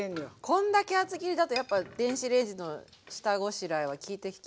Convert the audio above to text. こんだけ厚切りだとやっぱ電子レンジの下ごしらえはきいてきますね。